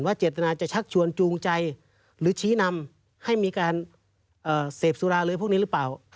เจตนาจะชักชวนจูงใจหรือชี้นำให้มีการเสพสุราหรือพวกนี้หรือเปล่า